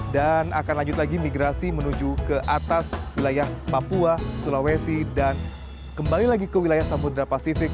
dan akan lanjut lagi migrasi menuju ke atas wilayah papua sulawesi dan kembali lagi ke wilayah samudera pasifik